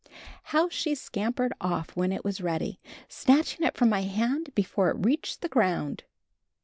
How she scampered off when it was ready, snatching it from my hand before it reached the ground!